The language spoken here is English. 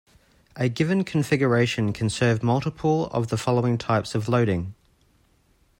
A given configuration can serve multiple of the following types of loading.